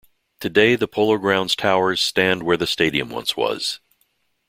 Today the Polo Grounds Towers stand where the stadium once was.